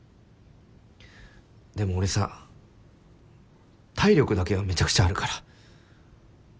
でも俺さ体力だけはめちゃくちゃあるから。